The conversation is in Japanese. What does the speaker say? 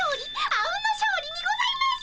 あうんの勝利にございます！